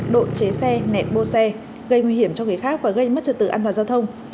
độ chế xe nẹt bô xe gây nguy hiểm cho người khác và gây mất trật tự an toàn giao thông